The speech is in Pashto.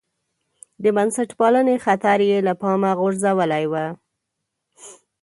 د بنسټپالنې خطر یې له پامه غورځولی و.